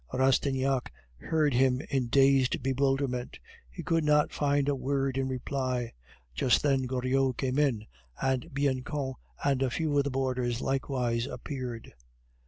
Rastignac heard him in dazed bewilderment; he could not find a word in reply. Just then Goriot came in, and Bianchon and a few of the boarders likewise appeared.